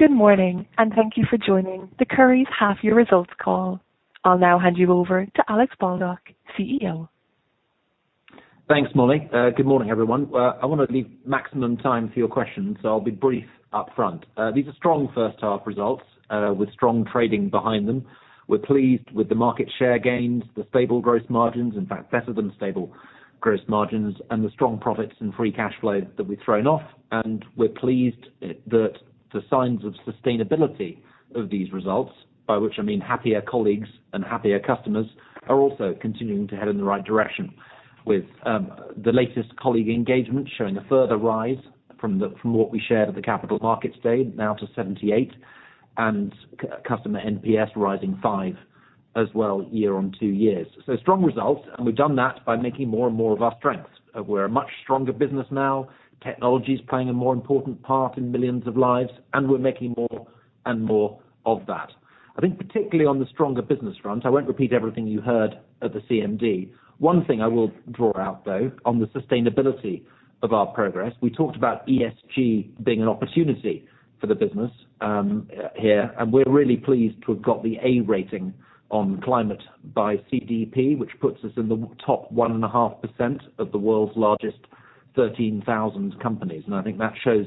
Good morning and thank you for joining the Currys' half-year results call. I'll now hand you over to Alex Baldock, CEO. Thanks, Molly. Good morning, everyone. I wanna leave maximum time for your questions, so I'll be brief up front. These are strong first half results, with strong trading behind them. We're pleased with the market share gains, the stable gross margins. In fact, better than stable gross margins and the strong profits and free cash flow that we've thrown off. We're pleased that the signs of sustainability of these results, by which I mean happier colleagues and happier customers, are also continuing to head in the right direction with the latest colleague engagement showing a further rise from what we shared at the Capital Markets Day now to 78, and customer NPS rising five as well year-on-year. Strong results, and we've done that by making more and more of our strengths. We're a much stronger business now. Technology's playing a more important part in millions of lives, and we're making more and more of that. I think particularly on the stronger business front, I won't repeat everything you heard at the CMD. One thing I will draw out, though, on the sustainability of our progress, we talked about ESG being an opportunity for the business here, and we're really pleased to have got the A rating on climate by CDP, which puts us in the top 1.5% of the world's largest 13,000 companies. I think that shows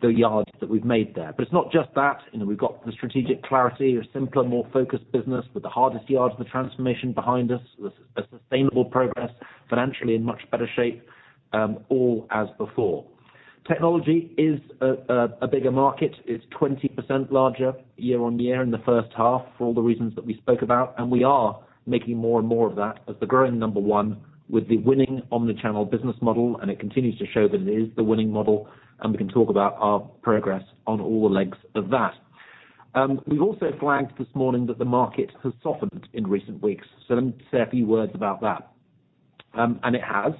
the yard that we've made there. It's not just that, you know, we've got the strategic clarity, a simpler, more focused business with the hardest yard of the transformation behind us, sustainable progress financially in much better shape, all as before. Technology is a bigger market. It's 20% larger year-on-year in the first half for all the reasons that we spoke about. We are making more and more of that as the growing number one with the winning omnichannel business model. It continues to show that it is the winning model, and we can talk about our progress on all the lengths of that. We've also flagged this morning that the market has softened in recent weeks. Let me say a few words about that. It has.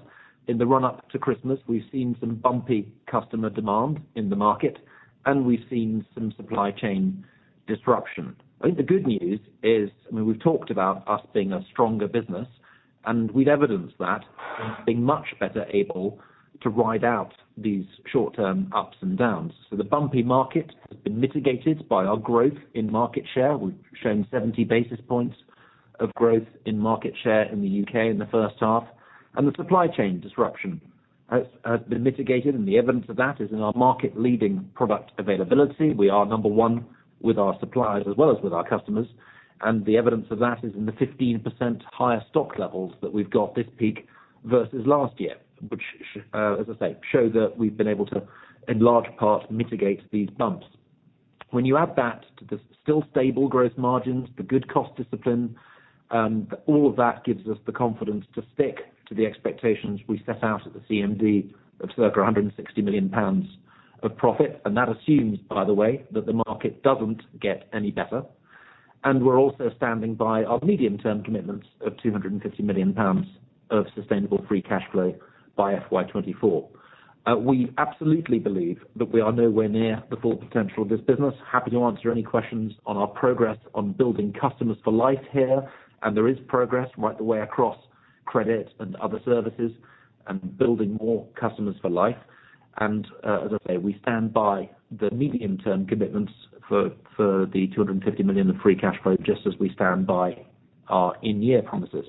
In the run up to Christmas, we've seen some bumpy customer demand in the market, and we've seen some supply chain disruption. I think the good news is, I mean, we've talked about us being a stronger business, and we've evidenced that in being much better able to ride out these short-term ups and downs. The bumpy market has been mitigated by our growth in market share. We've shown 70 basis points of growth in market share in the U.K. in the first half. The supply chain disruption has been mitigated, and the evidence of that is in our market leading product availability. We are number one with our suppliers as well as with our customers, and the evidence of that is in the 15% higher stock levels that we've got this peak versus last year, which, as I say, show that we've been able to, in large part, mitigate these bumps. When you add that to the still stable growth margins, the good cost discipline, all of that gives us the confidence to stick to the expectations we set out at the CMD of circa 160 million pounds of profit. That assumes, by the way, that the market doesn't get any better. We're also standing by our medium-term commitments of 250 million pounds of sustainable free cash flow by FY 2024. We absolutely believe that we are nowhere near the full potential of this business. I'm happy to answer any questions on our progress on building Customers for Life here, and there is progress right the way across credit and other services and building more Customers for Life. As I say, we stand by the medium-term commitments for the 250 million of free cash flow just as we stand by our in-year promises.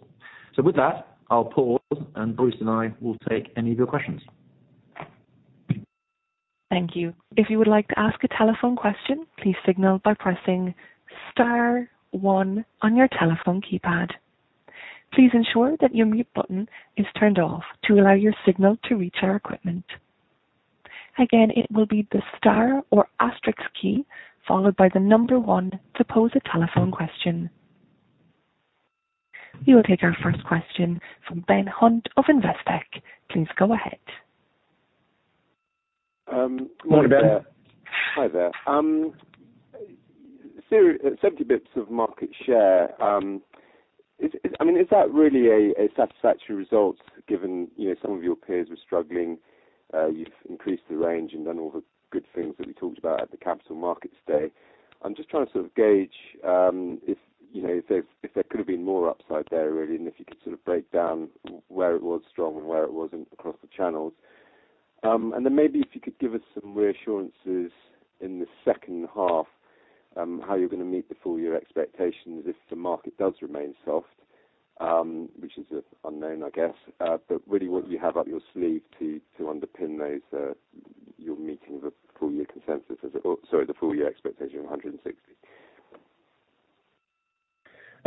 With that, I'll pause, and Bruce and I will take any of your questions. Thank you. If you would like to ask a telephone question, please signal by pressing star one on your telephone keypad. Please ensure that your mute button is turned off to allow your signal to reach our equipment. Again, it will be the star or asterisks key followed by the number one to pose a telephone question. We will take our first question from Ben Hunt of Investec. Please go ahead. Morning, Ben. Hi there. 70 basis points of market share is, I mean, a satisfactory result given, you know, some of your peers were struggling, you've increased the range and done all the good things that we talked about at the Capital Markets Day. I'm just trying to sort of gauge if there could have been more upside there, really, and if you could sort of break down where it was strong and where it wasn't across the channels. Maybe if you could give us some reassurances in the second half, how you're gonna meet the full year expectations if the market does remain soft, which is unknown, I guess. Really what you have up your sleeve to underpin those, your meeting of the full year consensus, or sorry, the full year expectation of 160 million.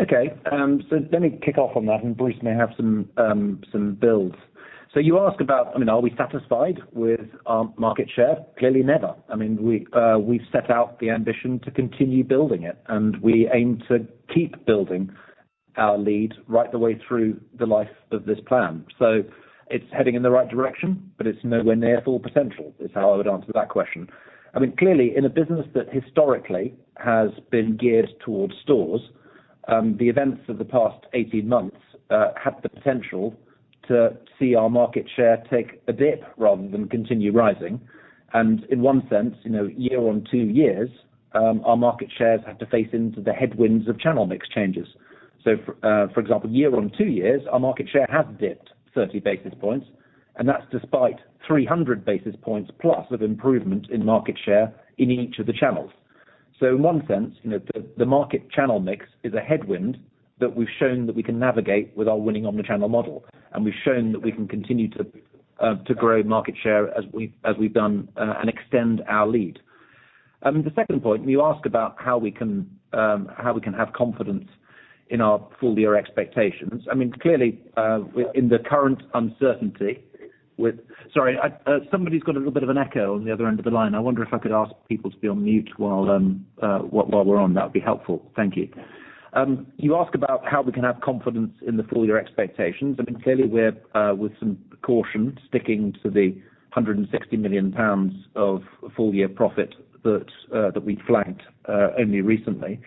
Okay, let me kick off on that, and Bruce may have some builds. You ask about, I mean, are we satisfied with our market share? Clearly never. I mean, we've set out the ambition to continue building it, and we aim to keep building our lead right the way through the life of this plan. It's heading in the right direction, but it's nowhere near full potential is how I would answer that question. I mean, clearly, in a business that historically has been geared towards stores, the events of the past 18 months had the potential to see our market share take a dip rather than continue rising. In one sense, you know, over two years, our market share has had to face into the headwinds of channel mix changes. For example, over two years, our market share has dipped 30 basis points, and that's despite 300 basis points plus of improvement in market share in each of the channels. In one sense, you know, the market channel mix is a headwind that we've shown that we can navigate with our winning omnichannel model, and we've shown that we can continue to grow market share as we've done and extend our lead. I mean, the second point you ask about how we can have confidence in our full year expectations. I mean, clearly, within the current uncertainty with. Sorry, I. Somebody's got a little bit of an echo on the other end of the line. I wonder if I could ask people to be on mute while we're on. That would be helpful. Thank you. You ask about how we can have confidence in the full year expectations. I mean, clearly we're with some caution sticking to the 160 million pounds of full year profit that we flagged only recently.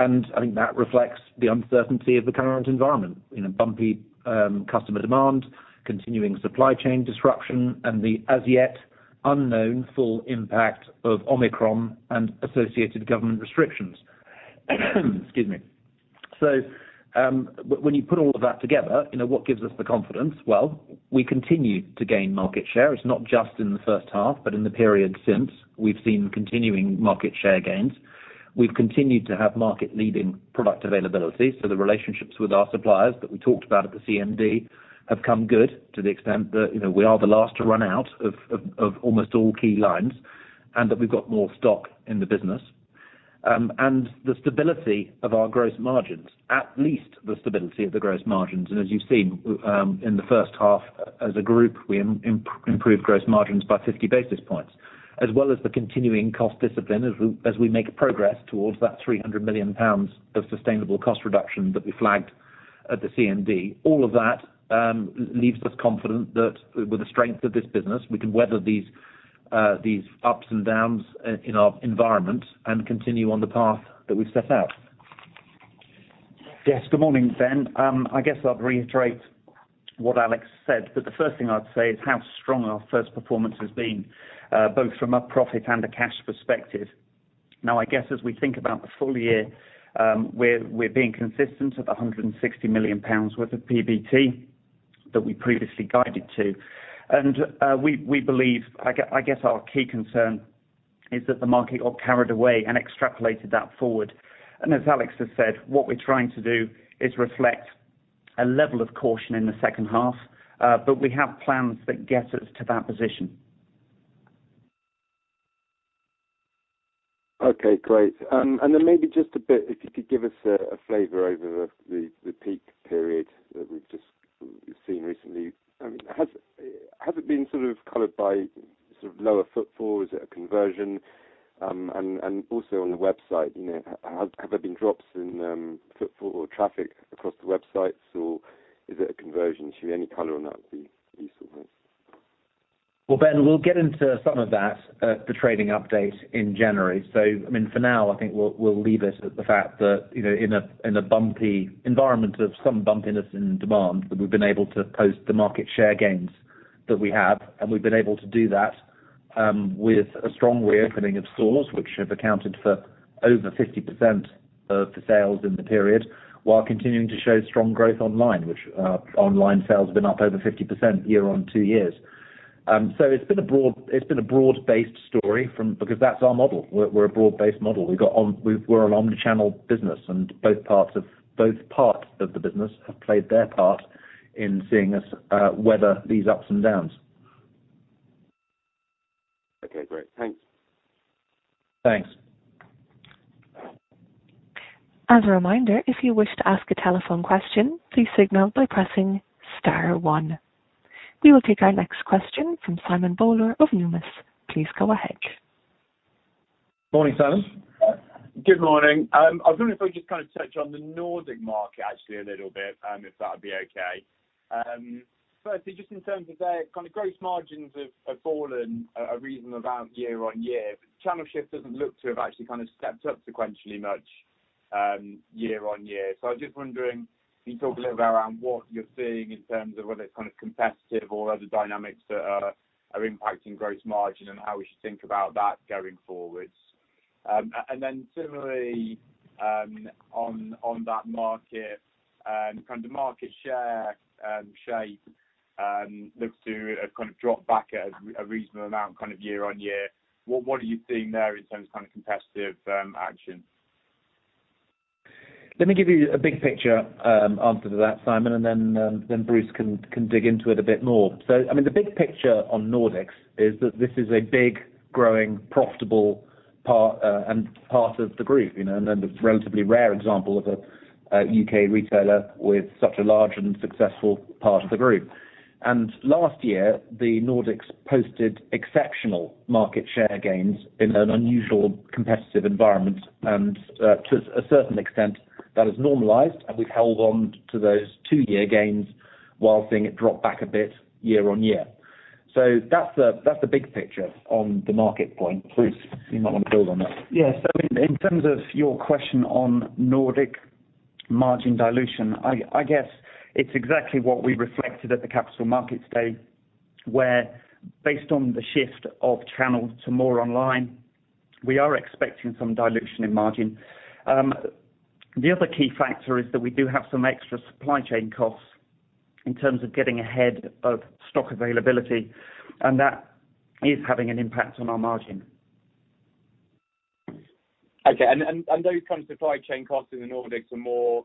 I think that reflects the uncertainty of the current environment, you know, bumpy customer demand, continuing supply chain disruption, and the as yet unknown full impact of Omicron and associated government restrictions. Excuse me. When you put all of that together, you know, what gives us the confidence? Well, we continue to gain market share. It's not just in the first half, but in the period since, we've seen continuing market share gains. We've continued to have market leading product availability. The relationships with our suppliers that we talked about at the CMD have come good to the extent that, you know, we are the last to run out of almost all key lines and that we've got more stock in the business, and the stability of our gross margins. As you've seen, in the first half as a group, we improved gross margins by 50 basis points, as well as the continuing cost discipline as we make progress towards that 300 million pounds of sustainable cost reduction that we flagged at the CMD. All of that leaves us confident that with the strength of this business, we can weather these ups and downs in our environment and continue on the path that we've set out. Yes, good morning, Ben. I guess I'll reiterate what Alex said, but the first thing I'd say is how strong our first performance has been, both from a profit and a cash perspective. Now, I guess as we think about the full year, we're being consistent at 160 million pounds worth of PBT that we previously guided to. We believe, I guess our key concern is that the market got carried away and extrapolated that forward. As Alex has said, what we're trying to do is reflect a level of caution in the second half, but we have plans that get us to that position. Okay, great. Maybe just a bit, if you could give us a flavor over the peak period that we've seen recently. I mean, has it been sort of colored by sort of lower footfall? Is it a conversion? Also on the website, you know, have there been drops in footfall or traffic across the websites? Or is it a conversion? Any color on that would be useful. Well, Ben, we'll get into some of that at the trading update in January. I mean, for now, I think we'll leave it at the fact that, you know, in a bumpy environment of some bumpiness in demand, that we've been able to post the market share gains that we have, and we've been able to do that with a strong reopening of stores, which have accounted for over 50% of the sales in the period, while continuing to show strong growth online, which online sales have been up over 50% year-on-year. It's been a broad-based story because that's our model. We're a broad-based model. We're an omnichannel business and both parts of the business have played their part in seeing us weather these ups and downs. Okay, great. Thanks. Thanks. As a reminder, if you wish to ask a telephone question, please signal by pressing star one. We will take our next question from Simon Bowler of Numis. Please go ahead. Morning, Simon. Good morning. I was wondering if we just kind of touch on the Nordic market actually a little bit, if that would be okay. Firstly, just in terms of their kind of growth margins have fallen a reasonable amount year-on-year. Channel shift doesn't look to have actually kind of stepped up sequentially much year-on-year. So I'm just wondering, can you talk a little bit around what you're seeing in terms of whether it's kind of competitive or other dynamics that are impacting growth margin and how we should think about that going forward. And then similarly, on that market, kind of market share shape looks to have kind of dropped back at a reasonable amount kind of year-on-year. What are you seeing there in terms of kind of competitive action? Let me give you a big picture answer to that, Simon, and then Bruce can dig into it a bit more. I mean, the big picture on Nordics is that this is a big, growing, profitable part of the group, you know, and a relatively rare example of a U.K. retailer with such a large and successful part of the group. Last year, the Nordics posted exceptional market share gains in an unusual competitive environment. To a certain extent, that has normalized, and we've held on to those two-year gains while seeing it drop back a bit year on year. That's the big picture on the market point. Bruce, you might want to build on that. Yeah. In terms of your question on Nordic margin dilution, I guess it's exactly what we reflected at the Capital Markets Day, where based on the shift of channel to more online. We are expecting some dilution in margin. The other key factor is that we do have some extra supply chain costs in terms of getting ahead of stock availability, and that is having an impact on our margin. Okay. Those kind of supply chain costs in the Nordics are more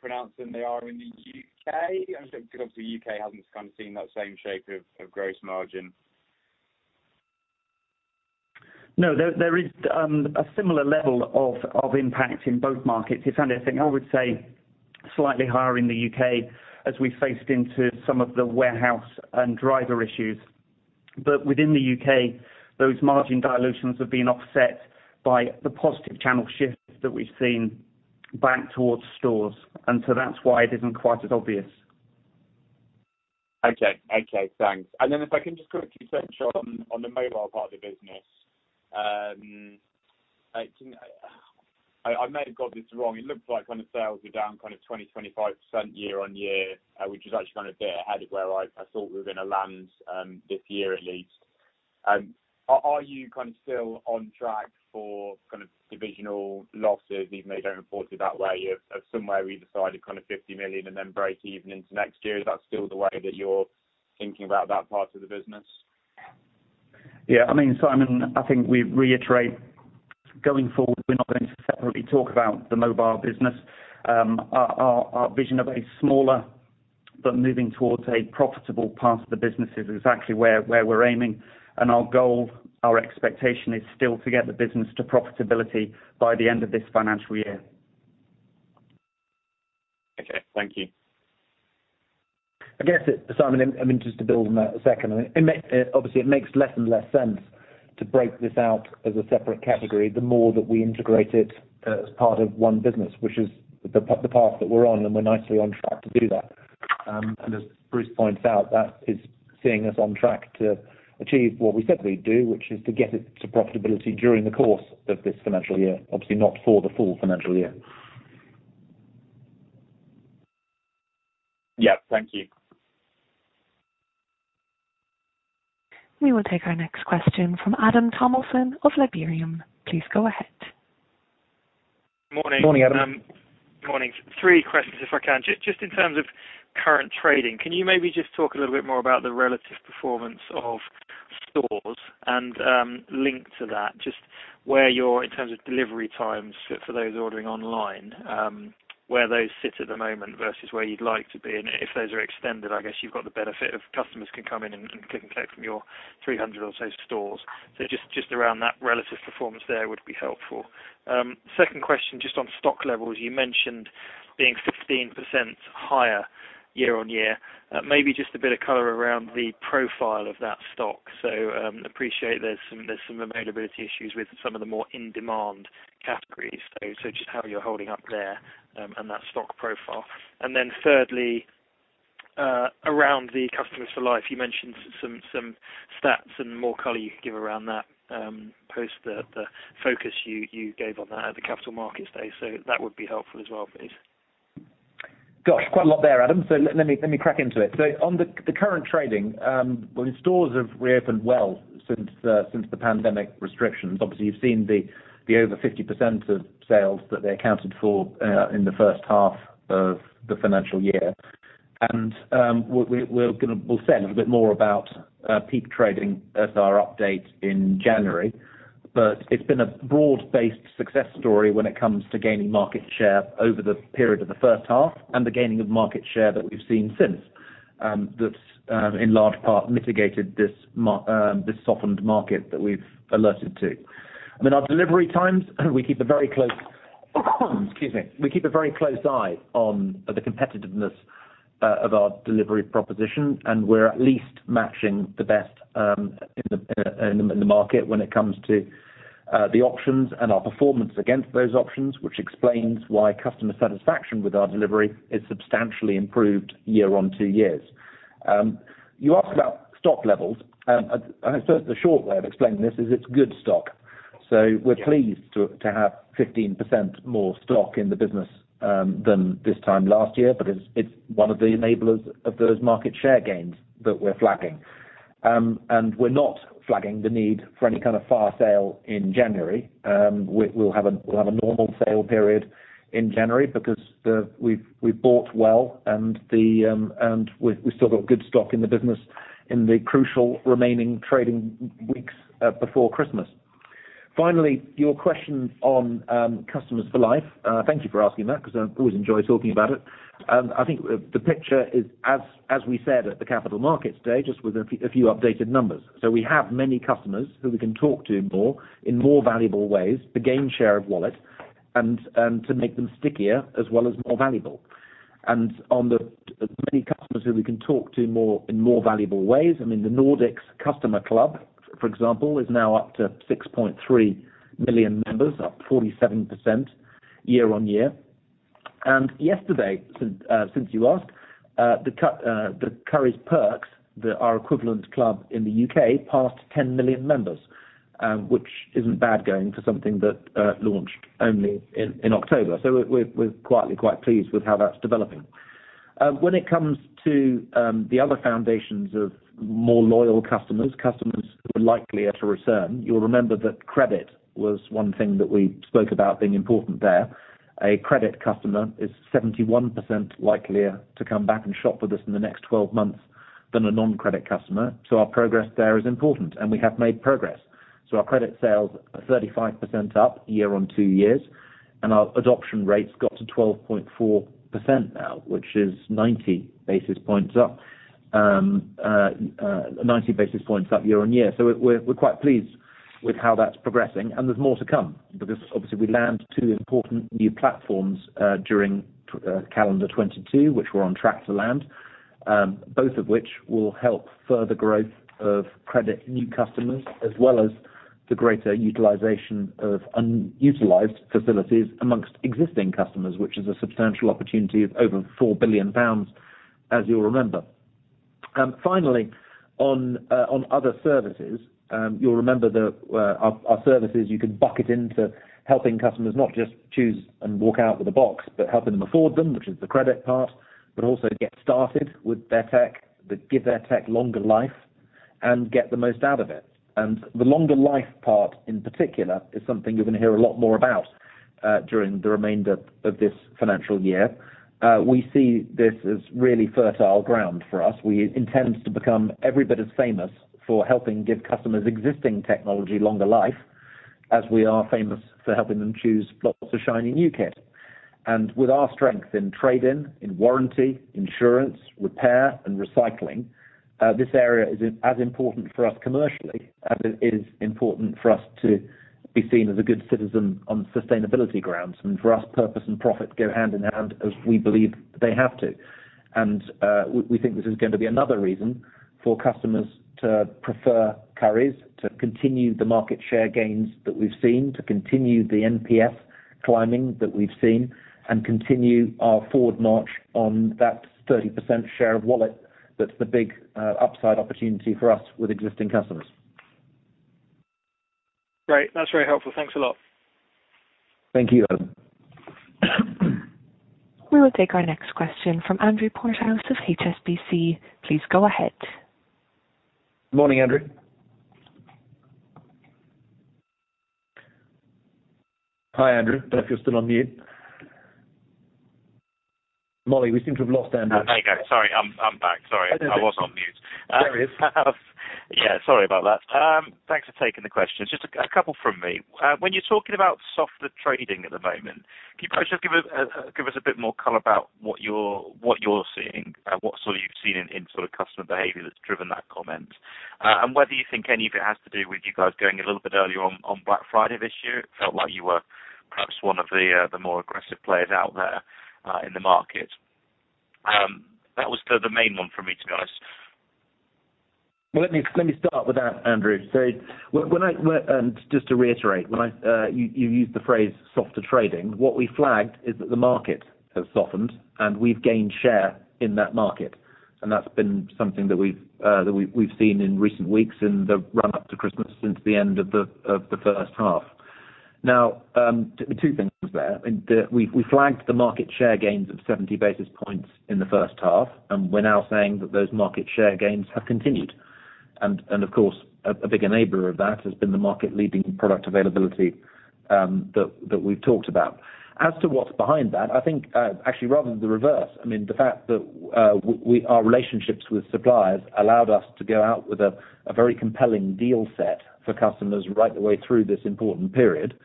pronounced than they are in the U.K.? Because obviously U.K. hasn't kind of seen that same shape of gross margin. No. There is a similar level of impact in both markets. If anything, I would say slightly higher in the U.K. as we faced into some of the warehouse and driver issues. Within the U.K., those margin dilutions have been offset by the positive channel shifts that we've seen back towards stores. That's why it isn't quite as obvious. Okay. Okay, thanks. If I can just quickly center on the mobile part of the business. I may have got this wrong. It looks like on the sales you're down kind of 20%-25% year-on-year, which is actually kind of a bit ahead of where I thought we were gonna land this year, at least. Are you kind of still on track for kind of divisional losses, even though you don't report it that way, of somewhere around 50 million and then breakeven into next year? Is that still the way that you're thinking about that part of the business? Yeah, I mean, Simon, I think we reiterate going forward, we're not going to separately talk about the mobile business. Our vision of a smaller but moving towards a profitable part of the business is exactly where we're aiming, and our goal, our expectation is still to get the business to profitability by the end of this financial year. Okay, thank you. I guess, Simon, I'm interested to build on that a second. It obviously makes less and less sense to break this out as a separate category the more that we integrate it as part of one business, which is the path that we're on, and we're nicely on track to do that. As Bruce points out, that is seeing us on track to achieve what we said we'd do, which is to get it to profitability during the course of this financial year. Obviously, not for the full financial year. Yeah. Thank you. We will take our next question from Adam Tomlinson of Liberum. Please go ahead. Morning. Morning, Adam. Morning. Three questions if I can. Just in terms of current trading, can you maybe just talk a little bit more about the relative performance of stores and, linked to that, just where you're in terms of delivery times for those ordering online, where those sit at the moment versus where you'd like to be. And if those are extended, I guess you've got the benefit of customers can come in and can collect from your 300 or so stores. Just around that relative performance there would be helpful. Second question, just on stock levels. You mentioned being 15% higher year-on-year. Maybe just a bit of color around the profile of that stock. Appreciate there's some availability issues with some of the more in-demand categories. Just how you're holding up there and that stock profile. Thirdly, around the Customers for Life, you mentioned some stats and more color you could give around that, post the focus you gave on that at the Capital Markets Day. That would be helpful as well, please. Gosh, quite a lot there, Adam. Let me crack into it. On the current trading, well, stores have reopened well since the pandemic restrictions. Obviously, you've seen the over 50% of sales that they accounted for in the first half of the financial year. We'll say a little bit more about peak trading at our update in January. It's been a broad-based success story when it comes to gaining market share over the period of the first half and the gaining of market share that we've seen since that's in large part mitigated this softened market that we've alerted to. I mean, our delivery times, we keep a very close eye on the competitiveness of our delivery proposition, and we're at least matching the best in the market when it comes to the options and our performance against those options, which explains why customer satisfaction with our delivery is substantially improved year on year. You asked about stock levels. I suppose the short way of explaining this is it's good stock. We're pleased to have 15% more stock in the business than this time last year, because it's one of the enablers of those market share gains that we're flagging. We're not flagging the need for any kind of fire sale in January. We'll have a normal sale period in January because we've bought well, and we've still got good stock in the business in the crucial remaining trading weeks before Christmas. Finally, your question on Customers for Life. Thank you for asking that because I always enjoy talking about it. I think the picture is as we said at the Capital Markets Day, just with a few updated numbers. We have many customers who we can talk to more in more valuable ways to gain share of wallet and to make them stickier as well as more valuable. On the many customers who we can talk to more in more valuable ways, I mean, the Nordics customer club, for example, is now up to 6.3 million members, up 47% year-on-year. Yesterday, since you asked, the Currys Perks that our equivalent club in the U.K. passed 10 million members, which isn't bad going for something that launched only in October. We're quietly quite pleased with how that's developing. When it comes to the other foundations of more loyal customers who are likelier to return, you'll remember that credit was one thing that we spoke about being important there. A credit customer is 71% likelier to come back and shop with us in the next 12 months than a non-credit customer, so our progress there is important, and we have made progress. Our credit sales are 35% up year-on-year, and our adoption rate's got to 12.4% now, which is 90 basis points up year-on-year. We're quite pleased with how that's progressing and there's more to come because obviously we land two important new platforms during calendar 2022, which we're on track to land, both of which will help further growth of credit new customers as well as the greater utilization of unutilized facilities amongst existing customers, which is a substantial opportunity of over 4 billion pounds, as you'll remember. Finally, on other services, you'll remember that our services you can bucket into helping customers not just choose and walk out with a box, but helping them afford them, which is the credit part, but also get started with their tech, that give their tech longer life and get the most out of it. The longer life part in particular is something you're gonna hear a lot more about during the remainder of this financial year. We see this as really fertile ground for us. We intend to become every bit as famous for helping give customers existing technology longer life as we are famous for helping them choose lots of shiny new kit. With our strength in trade-in, in warranty, insurance, repair and recycling, this area is as important for us commercially as it is important for us to be seen as a good citizen on sustainability grounds. For us, purpose and profit go hand in hand as we believe they have to. We think this is going to be another reason for customers to prefer Currys, to continue the market share gains that we've seen, to continue the NPS climbing that we've seen, and continue our foothold on that 30% share of wallet that's the big upside opportunity for us with existing customers. Great. That's very helpful. Thanks a lot. Thank you. We will take our next question from Andrew Porteous of HSBC. Please go ahead. Morning, Andrew. Hi, Andrew. Don't know if you're still on mute. Molly, we seem to have lost Andrew. There you go. Sorry, I'm back. Sorry. I was on mute. There he is. Yeah, sorry about that. Thanks for taking the questions. Just a couple from me. When you're talking about softer trading at the moment, could you perhaps just give us a bit more color about what you're seeing and what sort of you've seen in sort of customer behavior that's driven that comment? Whether you think any of it has to do with you guys going a little bit earlier on Black Friday this year. It felt like you were perhaps one of the more aggressive players out there in the market. That was the main one for me, to be honest. Well, let me start with that, Andrew. Just to reiterate, when you used the phrase softer trading. What we flagged is that the market has softened and we've gained share in that market. That's been something that we've seen in recent weeks in the run-up to Christmas since the end of the first half. Now, two things there. We flagged the market share gains of 70 basis points in the first half, and we're now saying that those market share gains have continued. Of course, a big enabler of that has been the market-leading product availability that we've talked about. As to what's behind that, I think actually rather the reverse. I mean, the fact that our relationships with suppliers allowed us to go out with a very compelling deal set for customers right the way through this important period,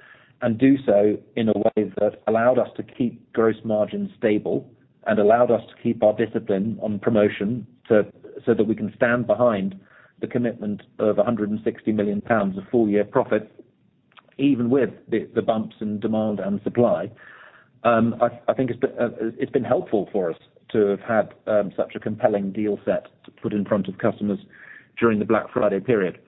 and do so in a way that allowed us to keep gross margins stable and allowed us to keep our discipline on promotion so that we can stand behind the commitment of 160 million pounds of full year profit, even with the bumps in demand and supply. I think it's been helpful for us to have had such a compelling deal set to put in front of customers during the Black Friday period.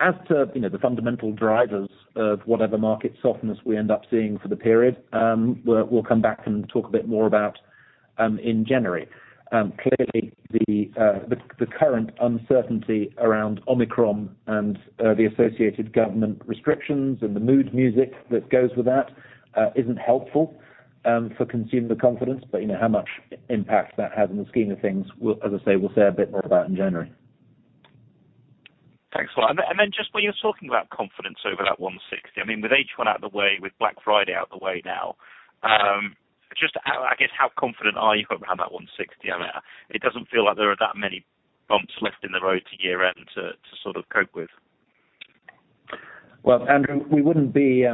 As to, you know, the fundamental drivers of whatever market softness we end up seeing for the period, we'll come back and talk a bit more about in January. Clearly the current uncertainty around Omicron and the associated government restrictions and the mood music that goes with that isn't helpful for consumer confidence. You know, how much impact that has in the scheme of things, as I say, we'll say a bit more about in January. Thanks a lot. Just when you're talking about confidence over that 160 million, I mean, with H1 out the way, with Black Friday out the way now, just how, I guess how confident are you around that 160 million? I mean, it doesn't feel like there are that many bumps left in the road to year-end to sort of cope with. Well, Andrew, we wouldn't be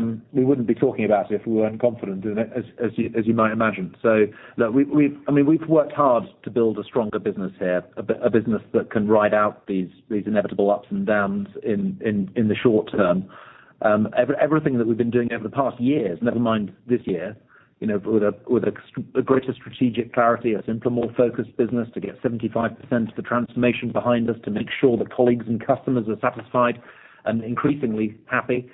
talking about it if we weren't confident in it, as you might imagine. Look, we've, I mean, we've worked hard to build a stronger business here, a business that can ride out these inevitable ups and downs in the short term. Everything that we've been doing over the past years, never mind this year, you know, with a greater strategic clarity, a simpler, more focused business to get 75% of the transformation behind us, to make sure that colleagues and customers are satisfied and increasingly happy,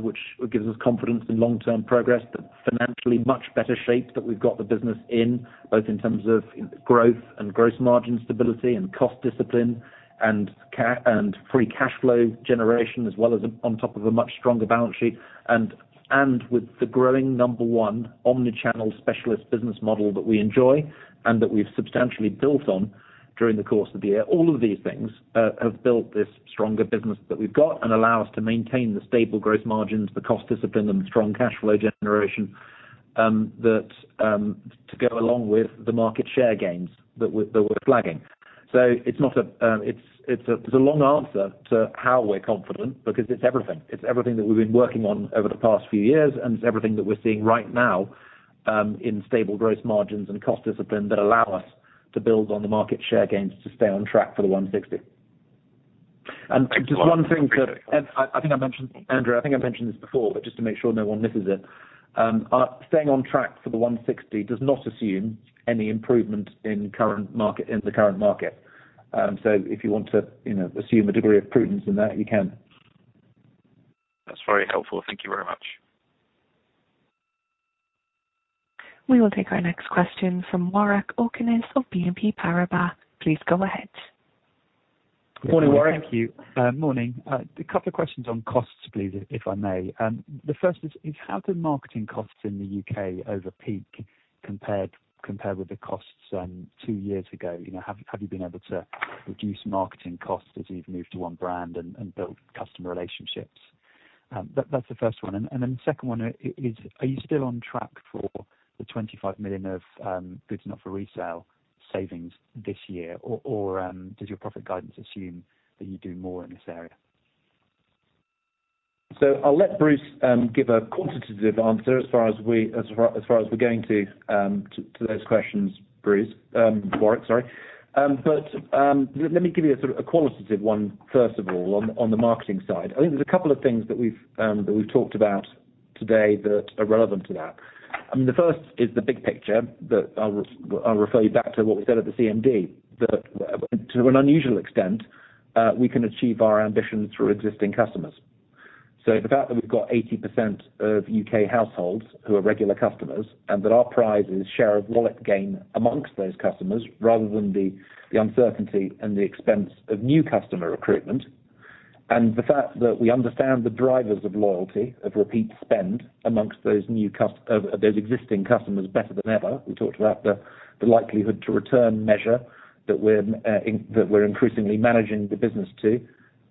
which gives us confidence in long-term progress, but financially much better shape that we've got the business in, both in terms of growth and gross margin stability and cost discipline and free cash flow generation as well as on top of a much stronger balance sheet, with the growing number one omnichannel specialist business model that we enjoy and that we've substantially built on during the course of the year. All of these things have built this stronger business that we've got and allow us to maintain the stable growth margins, the cost discipline and strong cash flow generation that to go along with the market share gains that we're flagging. It's not a, it's a long answer to how we're confident because it's everything. It's everything that we've been working on over the past few years, and it's everything that we're seeing right now in stable growth margins and cost discipline that allow us to build on the market share gains to stay on track for the 160 million. Thanks a lot. Just one thing that, Andrew, I think I mentioned this before, but just to make sure no one misses it. Staying on track for the 160 million does not assume any improvement in the current market. If you want to, you know, assume a degree of prudence in that, you can. That's very helpful. Thank you very much. We will take our next question from Warwick Okines of BNP Paribas. Please go ahead. Morning, Warwick. Thank you. Morning. A couple of questions on costs, please, if I may. The first is, have the marketing costs in the U.K. over peak compared with the costs two years ago? You know, have you been able to reduce marketing costs as you've moved to one brand and built customer relationships? That's the first one. Then the second one is, are you still on track for the 25 million of Goods Not for Resale savings this year? Or does your profit guidance assume that you do more in this area? I'll let Bruce give a quantitative answer as far as we're going to those questions, Bruce. Warwick, sorry. But let me give you a sort of a qualitative one, first of all, on the marketing side. I think there's a couple of things that we've talked about today that are relevant to that. I mean, the first is the big picture that I'll refer you back to what we said at the CMD. That, to an unusual extent, we can achieve our ambitions through existing customers. The fact that we've got 80% of U.K. households who are regular customers and that our prize is share of wallet gain among those customers rather than the uncertainty and the expense of new customer recruitment. The fact that we understand the drivers of loyalty, of repeat spend amongst those existing customers better than ever. We talked about the likelihood-to-return measure that we're increasingly managing the business to,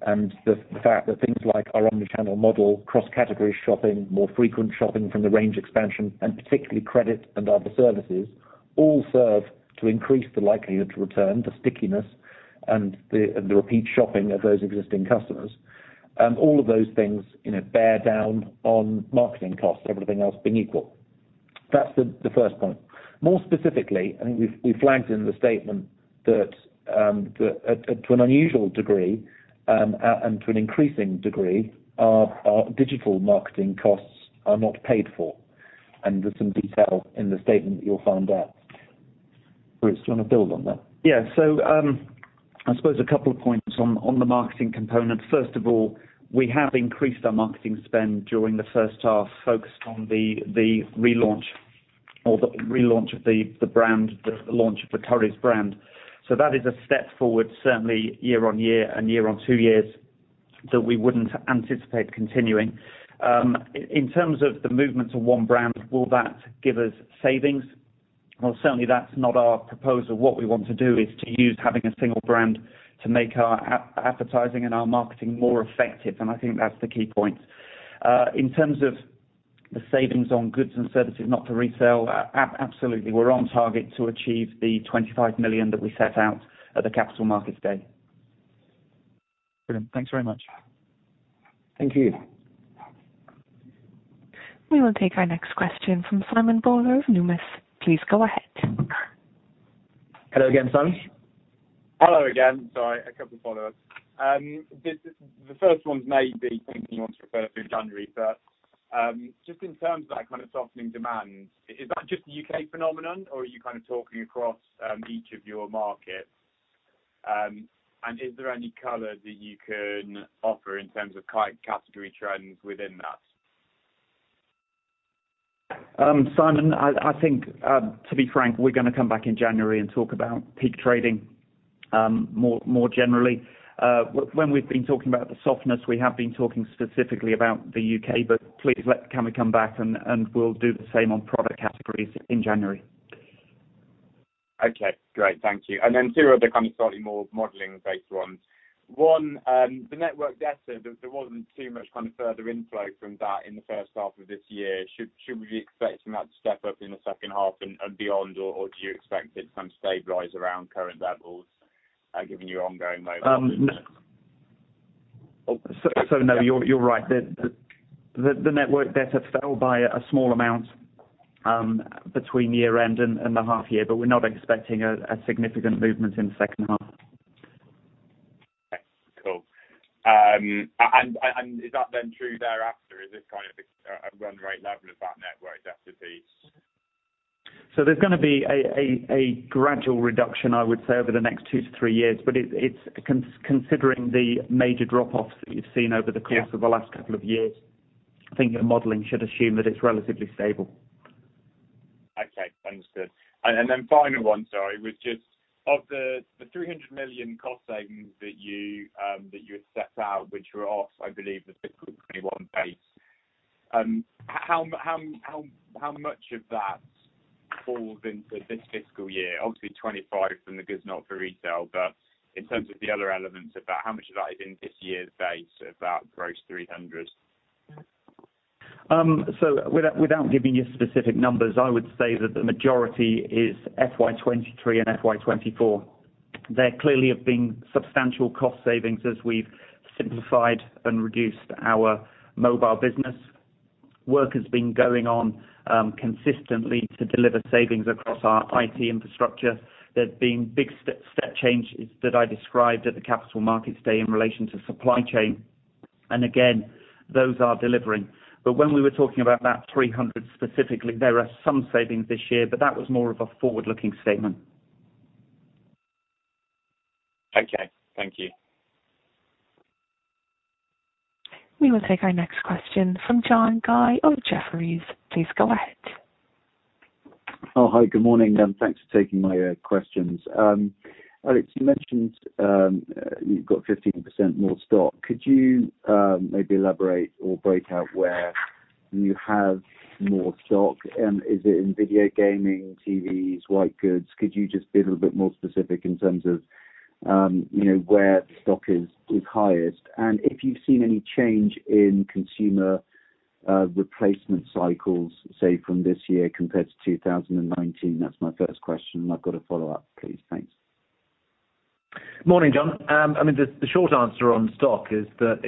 and the fact that things like our omnichannel model, cross-category shopping, more frequent shopping from the range expansion, and particularly credit and other services all serve to increase the likelihood to return, the stickiness and the repeat shopping of those existing customers. All of those things, you know, bear down on marketing costs, everything else being equal. That's the first point. More specifically, I think we flagged in the statement that to an unusual degree and to an increasing degree, our digital marketing costs are not paid for, and there's some detail in the statement that you'll find out. Bruce, do you want to build on that? Yeah. I suppose a couple of points on the marketing component. First of all, we have increased our marketing spend during the first half, focused on the relaunch of the brand, the launch of the Currys brand. That is a step forward, certainly year on year and year on two years that we wouldn't anticipate continuing. In terms of the movement to one brand, will that give us savings? Well, certainly that's not our proposal. What we want to do is to use having a single brand to make our advertising and our marketing more effective. I think that's the key point. In terms of the savings on goods and services not for resale, absolutely, we're on target to achieve the 25 million that we set out at the Capital Markets Day. Brilliant. Thanks very much. Thank you. We will take our next question from Simon Bowler of Numis. Please go ahead. Hello again, Simon. Hello again. Sorry, a couple of follow-ups. The first one may be something you want to refer to January, but just in terms of that kind of softening demand, is that just a U.K. phenomenon or are you kind of talking across each of your markets? Is there any color that you can offer in terms of category trends within that? Simon, I think, to be frank, we're gonna come back in January and talk about peak trading, more generally. When we've been talking about the softness, we have been talking specifically about the U.K. Can we come back and we'll do the same on product categories in January. Okay, great. Thank you. Then two other kind of slightly more modeling based ones. One, the net debt slide that there wasn't too much kind of further inflow from that in the first half of this year. Should we be expecting that to step up in the second half and beyond? Or do you expect it to kind of stabilize around current levels, given your ongoing momentum? No, you're right. The net debt fell by a small amount between year-end and the half year, but we're not expecting a significant movement in the second half. Okay, cool. Is that then true thereafter? Is this kind of a run rate level of that net debt to be. There's gonna be a gradual reduction, I would say, over the next two to three years. It's considering the major drop-offs that you've seen over the course of the last couple of years, I think your modeling should assume that it's relatively stable. Okay. Understood. Final one, sorry, was just on the 300 million cost savings that you had set out, which were off, I believe, the FY 2021 base, how much of that falls into this fiscal year? Obviously 25 million from the Goods Not for Resale, but in terms of the other elements of that, how much of that is in this year's base of that gross 300 million? Without giving you specific numbers, I would say that the majority is FY 2023 and FY 2024. There clearly have been substantial cost savings as we've simplified and reduced our mobile business. Work has been going on consistently to deliver savings across our IT infrastructure. There's been big step changes that I described at the Capital Markets Day in relation to supply chain. Those are delivering. When we were talking about that 300 specifically, there are some savings this year, but that was more of a forward-looking statement. Okay. Thank you. We will take our next question from John Guy of Jefferies. Please go ahead. Oh, hi, good morning, and thanks for taking my questions. Alex, you mentioned you've got 15% more stock. Could you maybe elaborate or break out where you have more stock? Is it in video gaming, TVs, white goods? Could you just be a little bit more specific in terms of you know, where stock is highest? And if you've seen any change in consumer replacement cycles, say from this year compared to 2019? That's my first question. And I've got a follow-up, please. Thanks. Morning, John. I mean, the short answer on stock is that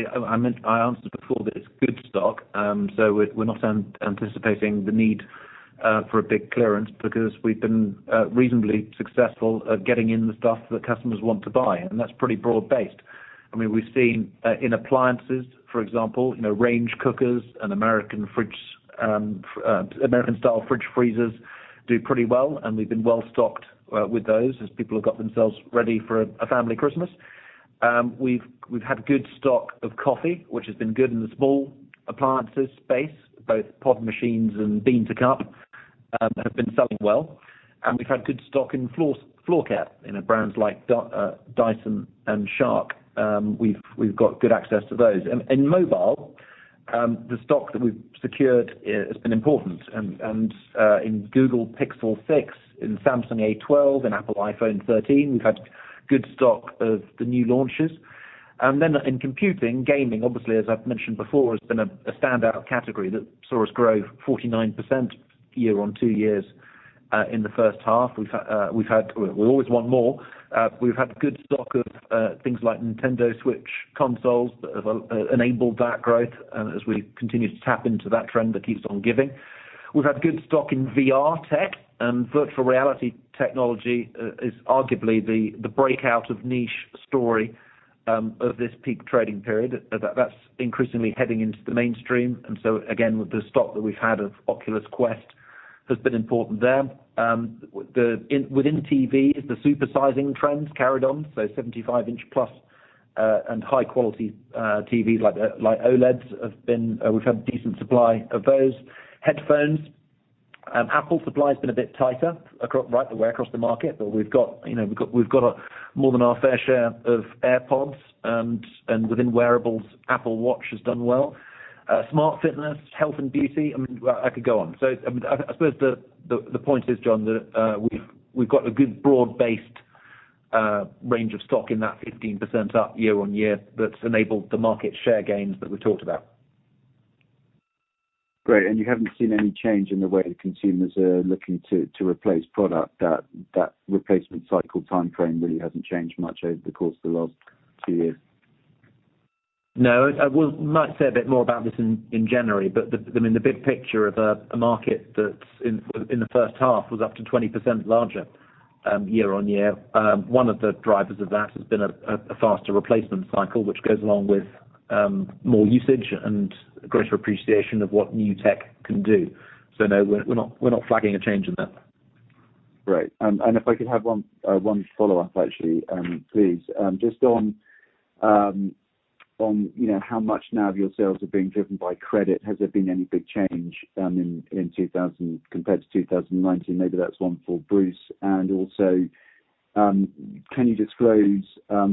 I answered before that it's good stock. We're not anticipating the need for a big clearance because we've been reasonably successful at getting in the stuff that customers want to buy, and that's pretty broad-based. I mean, we've seen in appliances, for example, you know, range cookers and American style fridge freezers do pretty well, and we've been well stocked with those as people have got themselves ready for a family Christmas. We've had good stock of coffee, which has been good in the small appliances space, both pod machines and bean to cup have been selling well. We've had good stock in floor care, you know, brands like Dyson and Shark. We've got good access to those. In mobile, the stock that we've secured has been important. In Google Pixel 6, in Samsung Galaxy A12, in Apple iPhone 13, we've had good stock of the new launches. In computing, gaming, obviously, as I've mentioned before, has been a standout category that saw us grow 49% year-over-year in the first half. We always want more. We've had good stock of things like Nintendo Switch consoles that have enabled that growth as we continue to tap into that trend that keeps on giving. We've had good stock in VR tech and virtual reality technology is arguably the breakout niche story of this peak trading period. That's increasingly heading into the mainstream, and so again, with the stock that we've had of Oculus Quest has been important there. Within TV, the supersizing trends carried on, so 75-inch+ and high quality TVs like OLEDs have been. We've had decent supply of those. Headphones, Apple supply's been a bit tighter right the way across the market, but we've got, you know, a more than our fair share of AirPods and within wearables Apple Watch has done well. Smart fitness, health, and beauty, I mean, I could go on. I suppose the point is, John, that we've got a good broad-based range of stock in that 15% up year-on-year that's enabled the market share gains that we've talked about. Great, you haven't seen any change in the way consumers are looking to replace product? That replacement cycle timeframe really hasn't changed much over the course of the last two years? No. We might say a bit more about this in January, but I mean, the big picture of a market that's in the first half was up to 20% larger, year-over-year. One of the drivers of that has been a faster replacement cycle, which goes along with more usage and greater appreciation of what new tech can do. No, we're not flagging a change in that. Great. If I could have one follow-up actually, please. Just on, you know, how much now of your sales are being driven by credit, has there been any big change in 2020 compared to 2019? Maybe that's one for Bruce. Also, can you disclose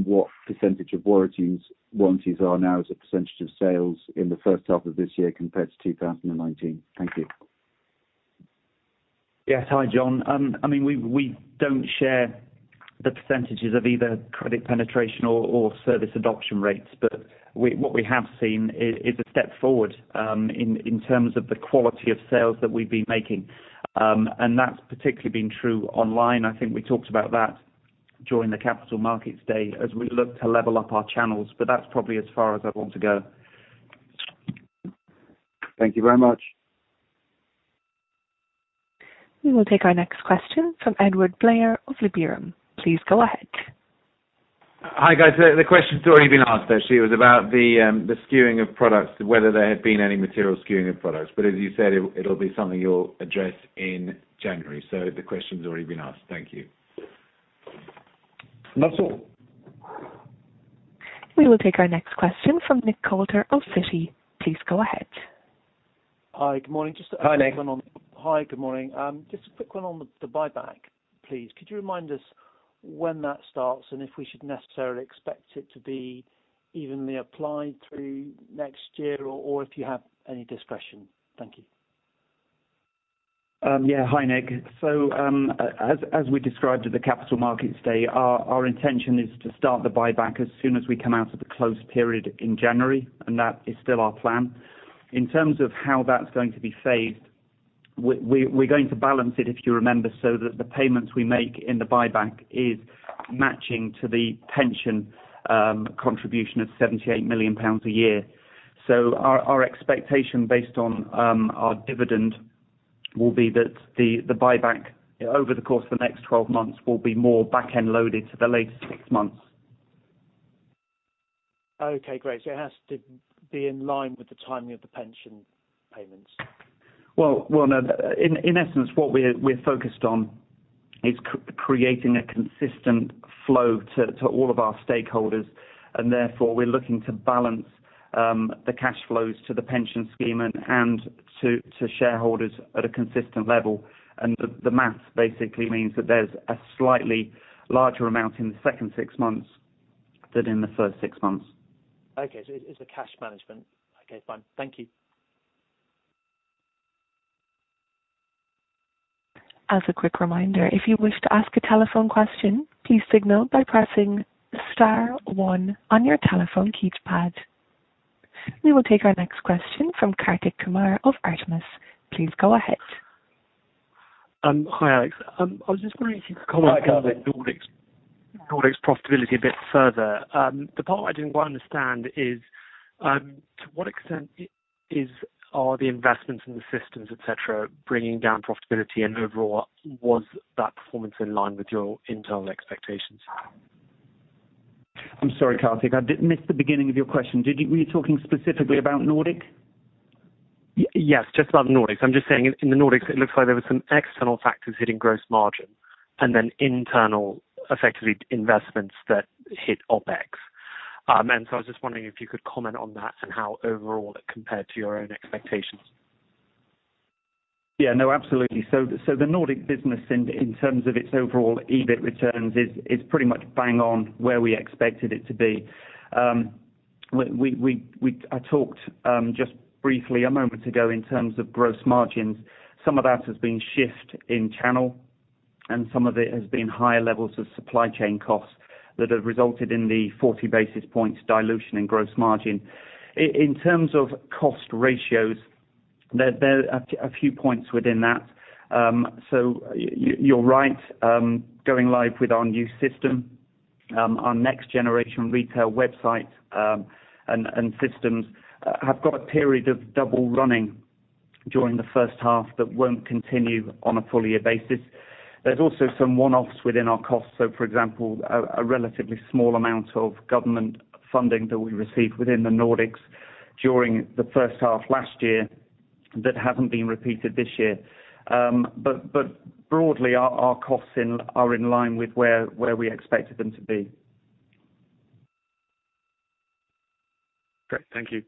what percentage of warranties are now as a percentage of sales in the first half of this year compared to 2019? Thank you. Yes. Hi, John. I mean, we don't share the percentages of either credit penetration or service adoption rates. What we have seen is a step forward in terms of the quality of sales that we've been making. That's particularly been true online. I think we talked about that during the Capital Markets Day as we look to level up our channels. That's probably as far as I'd want to go. Thank you very much. We will take our next question from Edward Blair of Liberum. Please go ahead. Hi, guys. The question's already been asked actually. It was about the skewing of products, whether there had been any material skewing of products. As you said, it'll be something you'll address in January. The question's already been asked. Thank you. That's all. We will take our next question from Nick Coulter of Citi. Please go ahead. Hi, good morning. Hi, Nick. Hi, good morning. Just a quick one on the buyback, please. Could you remind us when that starts and if we should necessarily expect it to be evenly applied through next year or if you have any discretion? Thank you. Yeah. Hi, Nick. As we described at the Capital Markets Day, our intention is to start the buyback as soon as we come out of the close period in January, and that is still our plan. In terms of how that's going to be phased, we're going to balance it, if you remember, so that the payments we make in the buyback is matching to the pension contribution of 78 million pounds a year. Our expectation based on our dividend will be that the buyback over the course of the next 12 months will be more back-end loaded to the later six months. Okay, great. It has to be in line with the timing of the pension payments. Well, no. In essence, what we're focused on is creating a consistent flow to all of our stakeholders, and therefore we're looking to balance the cash flows to the pension scheme and to shareholders at a consistent level. The maths basically means that there's a slightly larger amount in the second six months than in the first six months. Okay, it's a cash management. Okay, fine. Thank you. As a quick reminder, if you wish to ask a telephone question, please signal by pressing star one on your telephone keypad. We will take our next question from Kartik Kumar of Artemis. Please go ahead. Hi, Alex. I was just wondering if you could comment- Hi, Kartik. On the Nordics profitability a bit further. The part I didn't quite understand is, to what extent are the investments in the systems, et cetera, bringing down profitability and overall, was that performance in line with your internal expectations? I'm sorry, Kartik, I did miss the beginning of your question. Were you talking specifically about Nordic? Yes, just about Nordics. I'm just saying in the Nordics, it looks like there were some external factors hitting gross margin and then internal, effectively, investments that hit OpEx. I was just wondering if you could comment on that and how overall it compared to your own expectations. Yeah. No, absolutely. The Nordic business in terms of its overall EBIT returns is pretty much bang on where we expected it to be. I talked just briefly a moment ago in terms of gross margins. Some of that has been shift in channel, and some of it has been higher levels of supply chain costs that have resulted in the 40 basis points dilution in gross margin. In terms of cost ratios, there are a few points within that. You're right. Going live with our new system, our next generation retail website, and systems have got a period of double running during the first half that won't continue on a full year basis. There's also some one-offs within our costs, so for example, a relatively small amount of government funding that we received within the Nordics during the first half last year that hasn't been repeated this year. Broadly, our costs are in line with where we expected them to be. Great. Thank you.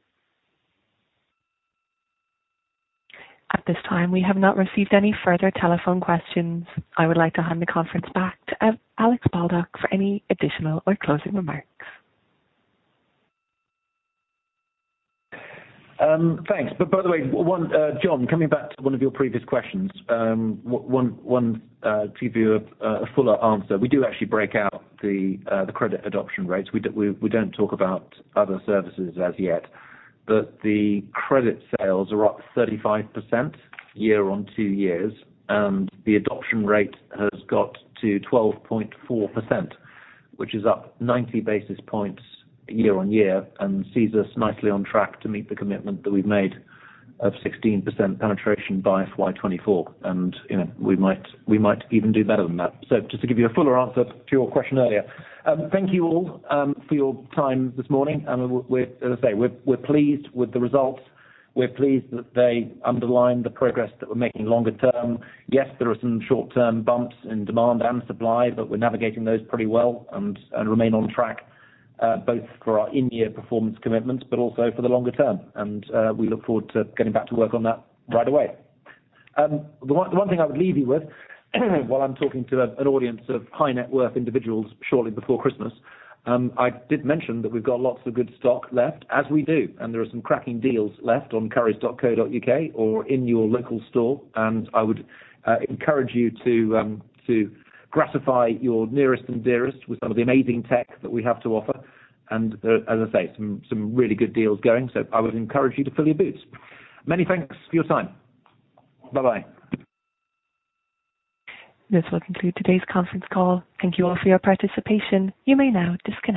At this time, we have not received any further telephone questions. I would like to hand the conference back to Alex Baldock for any additional or closing remarks. Thanks. By the way, John, coming back to one of your previous questions, to give you a fuller answer, we do actually break out the credit adoption rates. We don't talk about other services as yet, but the credit sales are up 35% year on year, and the adoption rate has got to 12.4%, which is up 90 basis points year on year and sees us nicely on track to meet the commitment that we've made of 16% penetration by FY 2024. You know, we might even do better than that. Just to give you a fuller answer to your question earlier. Thank you all for your time this morning, and we're, as I say, pleased with the results. We're pleased that they underline the progress that we're making longer term. Yes, there are some short-term bumps in demand and supply, but we're navigating those pretty well and remain on track both for our in-year performance commitments but also for the longer term. We look forward to getting back to work on that right away. The one thing I would leave you with while I'm talking to an audience of high net worth individuals shortly before Christmas, I did mention that we've got lots of good stock left, as we do, and there are some cracking deals left on currys.co.uk or in your local store, and I would encourage you to gratify your nearest and dearest with some of the amazing tech that we have to offer. As I say, some really good deals going. I would encourage you to fill your boots. Many thanks for your time. Bye-bye. This will conclude today's conference call. Thank you all for your participation. You may now disconnect.